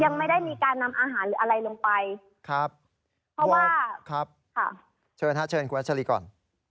ยังไม่ได้มีการนำอาหารและอะไรลงไปเชิญคุณวาชะรีก่อน